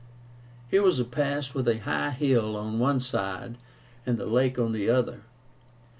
Here was a pass with a high hill on one side and the lake on the other.